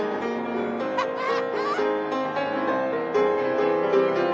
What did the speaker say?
ハハハッ！